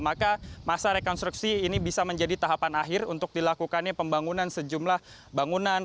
maka masa rekonstruksi ini bisa menjadi tahapan akhir untuk dilakukannya pembangunan sejumlah bangunan